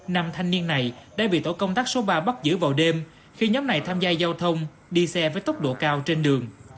nam thanh niên này đã bị tổ công tác số ba bắt giữ vào đêm khi nhóm này tham gia giao thông đi xe với tốc độ cao trên đường